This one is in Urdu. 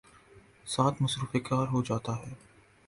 ساتھ ''مصروف کار" ہو جاتا ہے۔